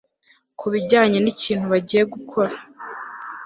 kubijyanye n'ikintu bagiye gukora